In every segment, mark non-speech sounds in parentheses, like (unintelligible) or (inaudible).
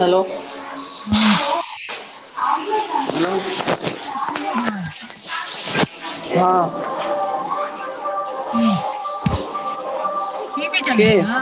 Hello. हँ। (unintelligible) की यौ भाई। हँ। हुं, टी वी चलै छौ।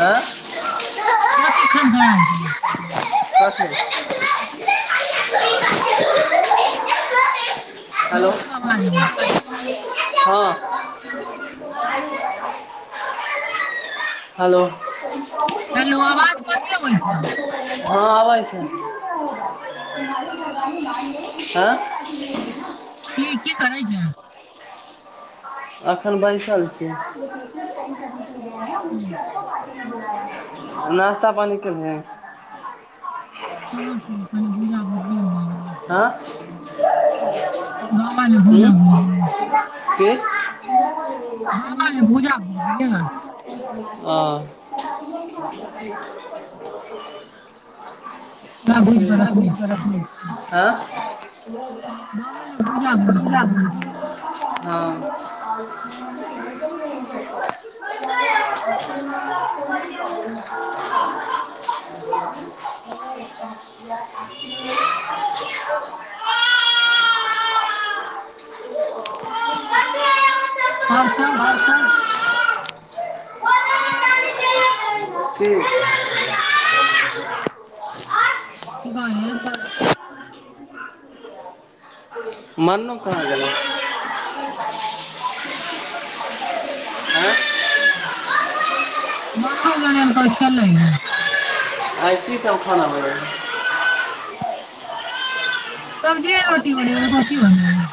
आँ। कथि खन खनाई छौ। (unintelligible) हेलो, बहुते आवाज अबै हँ। हैेलो। छै हेलो आवाज कथी अबै छौ हँ आबै छै, आँ। हुं, की करै छें। एखन बैसल छी। हँ, नाश्ता पानि केलिहें। कहां केलियै कनि भुजा भुजी दियौ नेे हँ बाबा उँ। लए की? बाबा ले भुजा भुझलियै। हां। बाबा लए भूजा भुजलियै ओकरा भूजि कऽ सैह भुजिके छियै रखने छै। बाबे लए आँ। भूजा भुजलियै हँ। (unintelligible) (unintelligible) (unintelligible) (unintelligible) और सब? की। कि कहलियै। मनु कहाँ गेलै? आँय। मनु गेलै हन खेलै ले। आइ की सब खाना बनलै हें? सब्जिये रोटी बनेवै कथि बनेवै।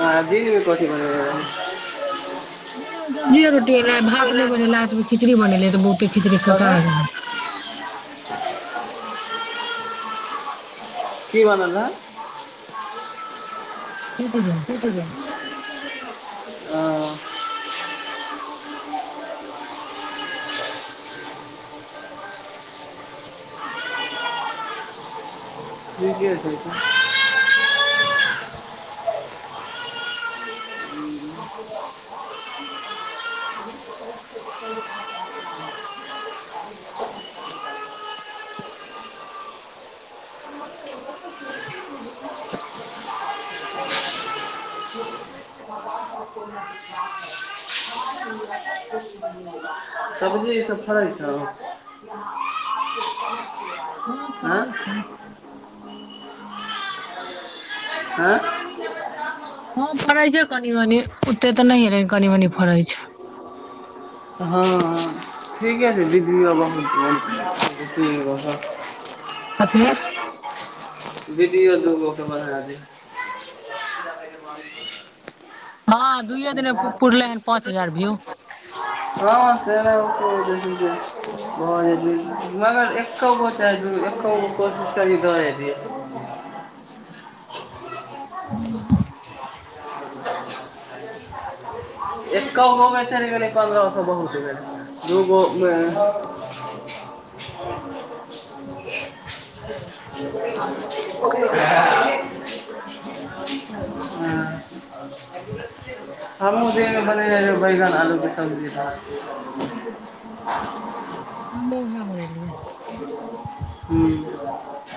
आ दिनमे कथि बनल रहै? दिनो मे सब्जिये रोटी बनल रहै, भात नहि बनेलियै, राति मे खिचड़ी बनेलियै तऽ बहुते खिचड़ी फेका कथी गेलै। की बनल रहै? बिलकुल नै। आं। ठीक ठीक (unintelligible) सब्जी ई सब फड़ै छौ। हँ पढ़ै छै। हें। हँ फड़ै छै कनी मनी, ओते तऽ नहि लेकिन कनी मनी फड़ै छै। हँ, ठीके छै दीदी बाबा (unintelligible) कथि ये। वीडियो दु गो के बना (inaudible) (inaudible) हँ दुूयए दिने में पुरले हन पाँच हजार भ्यू। (inaudible) (inaudible) हू। एक गो में चल गेलइ पन्द्रह सए (inaudible) दूगो में। ह। हमूँ दिन में बनेने रहियै बैगन आलूके सब्जी भात। (inaudible) हमहू ओहे बनेलिये। ह्म। ओ। (inaudible)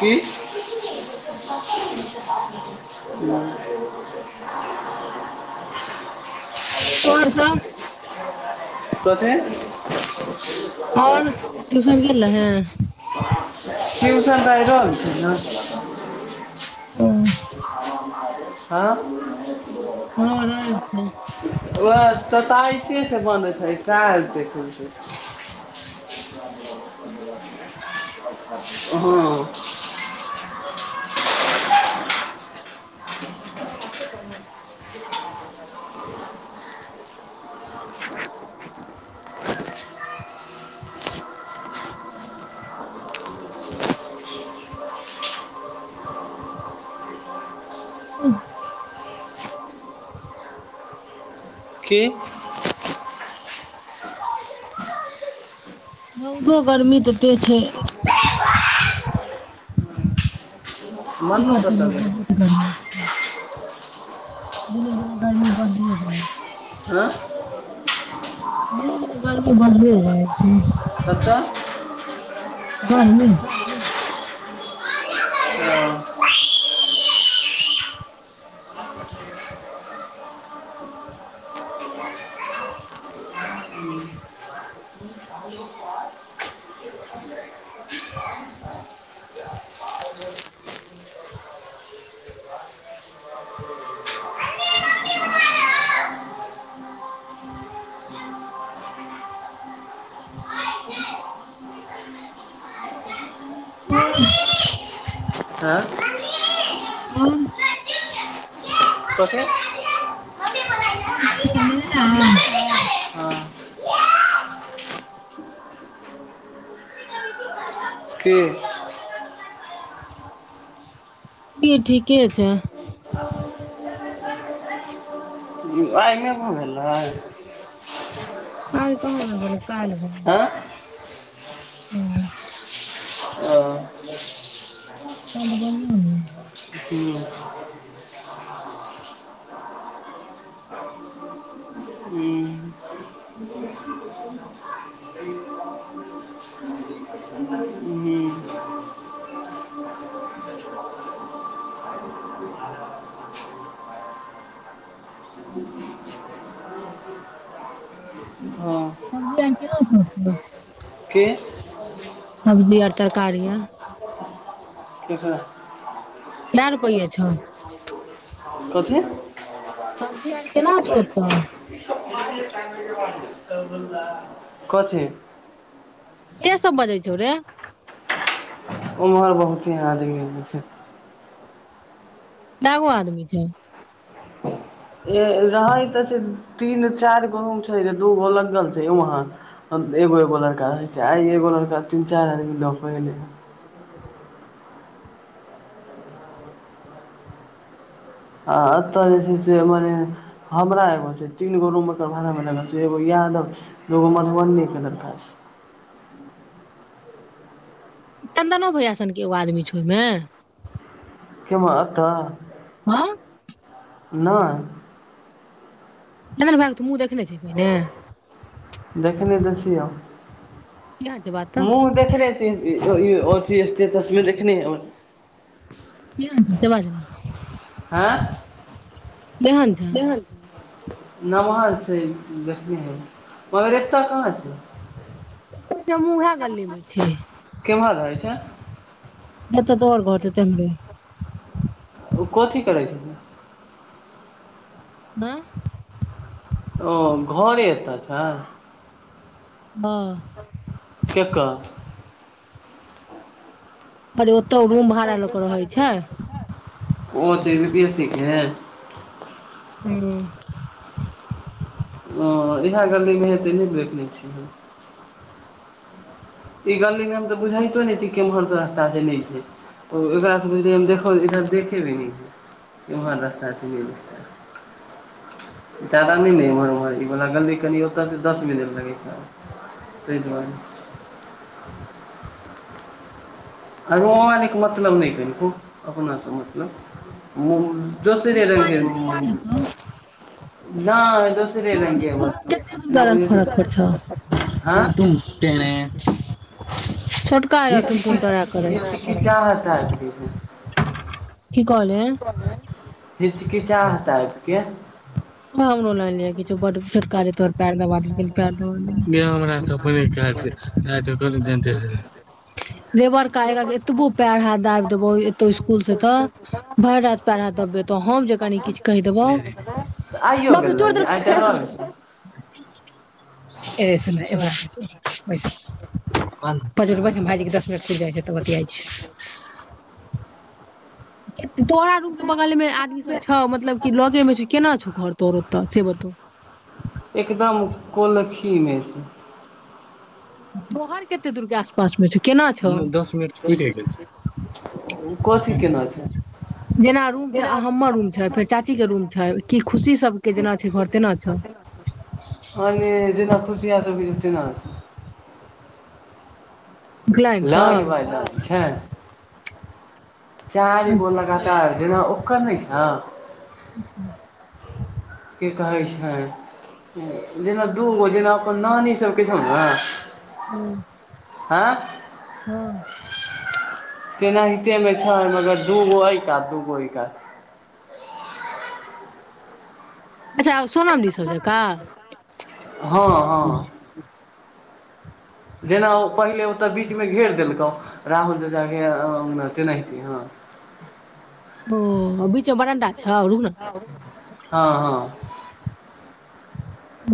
(inaudible) की? (inaudible) (inaudible) कथी? आओर ट्यूशन गेल रहैं? ट्यूशन तऽ आइ रोयब छै ने। हँ हँ। रैब छै ओएह तोताइते छै बनै छै (inaudible) हँ। (inaudible) ह। की। रौदो गर्मी त एते छै। की मन्नू करत कतऽ लोको गेलै बहुत गर्मी छै। दिने दिनेे गर्मी बढ़ले जाइ। आँ। दिने दिने गर्मी बढ़ले जाइ छै। कतय? गर्मी। ह। आओर। ऐ तऽ। और कथी? हँ आर ई सब नेने जा हऽ। के? (inaudible) ठीके छै। पीयूष आइग नै भ गेल रहै। आइ कहां (inaudible) कैल्ह भे ऐ। हू ह तहन तऽ बढ़ियां है। हूँ। हूँ। (unintelligible) हूँ। (unintelligible) हँ। सब्जी ओर केलौ के (unintelligible) सब्जी और तरकारी और? किकरब। केए रुपैए छौ? कथी? सब्जी और केना छौ ओतऽ? ई सब (unintelligible) कथि? के सब बजै छौ रे? ओम्हर बहुते आदमी छै। केएगो आदमी छै। (unintelligible) ए रहै तऽ छै तीन चार गो हम छै जे दू गो लगल छै वहाँ। एगो एगो लड़का रहै छै आय एगो लड़का तीन चैर आदमी लऽ के एलै या। आ अतऽ जे छै से एम्हर एहेन। हमरा एगो छै तीन गो रूम एकर भाड़ा मे लागल छै एगो यादव। लोग मधुबनी के लड़का छै। चन्दनो भैयाासनके एगो आदमी छौ ओहिमे? केम्हर अतऽ? हँ। नैय। चन्दन भाय के तु मुँह देखने छी पहिने? देखने तऽ छियौ। की हाल (unintelligible) बात। तऽ मुँह देखने अथि स्टेटस मे देखने हीयै ओना। की हाल चै जबाज रौ? हँ केहन छै की भेलौ। नम्हर छै देखने हेबै। पर एतऽ कहाँ छै? कहै छै हम उहे गल्ली मे छी। केम्हर रहै छै? जतऽ तोहर घर छौ तेहन्रे। ओ कथी करै छै? बां ओ घरे एतऽ छै? हँ। केकर अरे ओतऽ उ रूम भाड़ा लऽ के रहै छै। कोच (inaudible) सिखै हैं ह्म्म। ओ इएह गललीमे हेतै नहि देखने छी। ई गलिदन तऽ बुझइतो ने छै केम्हर स रस्ता देने छै। (inaudible) ओम्हर रस्ता छैहे (inaudible) जाादा नहि ने एम्हर उमहर इ वला गली कनि ओ दस मिनट लगै छै। ताहि दुवारे। आरो आन के मतलब नहि कनिको अपनासँ मतलब। दोसरे रूम रङंगके मालिक नीक हेतौ नाइ। (inaudible) छोटका तऽ हँ रहथिन टुन तड़ा करैत। की चाहऽ रहता ह की? की कहल ही? हिचकिचाह टाइपके। (inaudible) (inaudible) ह देबर क आग के एतबो पैर हाथ दाबि देबौ एतौ इसकूल से तऽ भरि रा पैर हाथ दबबेतौ हम जे कनी किछु कहि देबौ आइयो बाप रे गेल तोइर रहै छै देलकौ आइ तऽ रहल छै पै (inaudible) (inaudible) भाईजी के दस मिनट में जाइ छै तऽ बतियाइ छी। तोहरा रूम के बगल मे आदमी सब छौ मतलब कि लगे मे छौ केना छौ घर तोर ओत से बता? एकदम कोलखीमे। तोहर कते दूर के आसपास मे छौ केना छौ दस मिनट। पुरि गेल छै ओ कथी सेकेंड केना छै? (inaudible) जेना रूम छै आ हमर रूम छै फेर चाची के रूम छै की खुशी सबके जेना छै घर तेना छौ मने जेना खुशिया सब के छै तेना छै। उपनयन सँ लग भाय लग छै चारि गो लगा तार जेना ओकर नहि छ। ह ह की कहै छै? जेना दूगो जेना अपन नानी सबके छौ ना। हँ। हे। हँ। तेनाहितेमे छै मगर दूगो एहि कात दूगो एहि कात। अच्छा सोनम दी सब जकाँ? हँ हँ जेना ओ पहिले ओ तऽ बीचमे घेर देलकौ राहुल जका तेनाहिते हँ। ओ और बीच में बरंडा छौ? रुक ना। हँ हँ।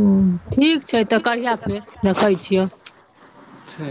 ओ ठीक छै तऽ करिह फेर रखइ छियऽ। छै।